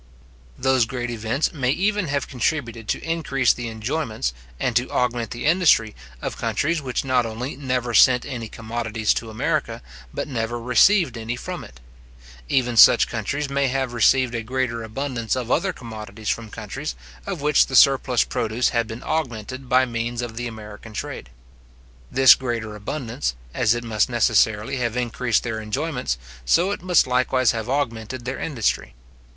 Those great events may even have contributed to increase the enjoyments, and to augment the industry, of countries which not only never sent any commodities to America, but never received any from it. Even such countries may have received a greater abundance of other commodities from countries, of which the surplus produce had been augmented by means of the American trade. This greater abundance, as it must necessarily have increased their enjoyments, so it must likewise have augmented their industry.